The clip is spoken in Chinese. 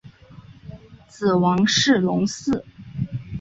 子王士隆嗣。